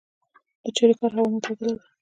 د چاریکار هوا معتدله ده